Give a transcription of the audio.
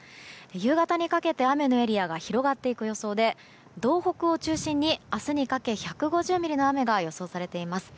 夕方にかけて雨のエリアが広がっていく予想で道北を中心に明日にかけ１５０ミリの雨が予想されています。